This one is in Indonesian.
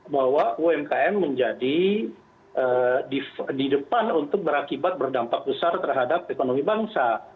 bahwa umkm menjadi di depan untuk berakibat berdampak besar terhadap ekonomi bangsa